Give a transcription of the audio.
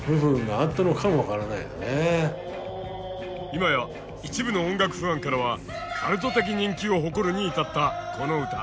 今や一部の音楽ファンからはカルト的人気を誇るに至ったこの歌。